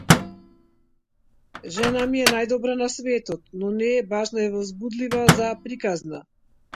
Жена ми е најдобра на светот, но не е баш возбудлива за приказна.